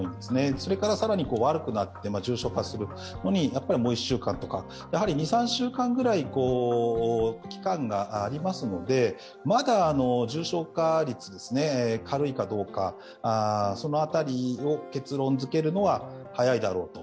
それから更に悪くなって、重症化するのに、もう１週間とか、２３週間くらい期間がありますので、まだ重症化率、軽いかどうか、その辺りを結論づけるのは早いだろうと。